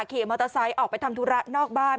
ขี่มอเตอร์ไซค์ออกไปทำธุระนอกบ้าน